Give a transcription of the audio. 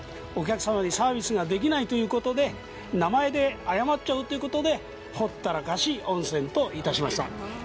お客様にサービスができないということで、名前で謝っちゃおうということでほったらかし温泉としました。